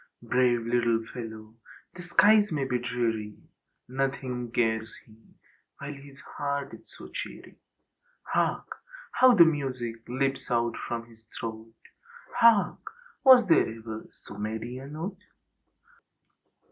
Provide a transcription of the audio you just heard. Brave little fellow ! The skies may be dreary. Nothing cares he while his heart is so cheery. Hark! How the music leaps out from his throat! Hark! Was there ever so merry a note?